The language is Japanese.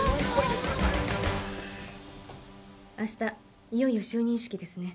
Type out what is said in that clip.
明日いよいよ就任式ですね。